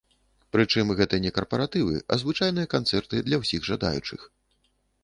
Прычым гэта не карпаратывы, а звычайныя канцэрты для ўсіх жадаючых.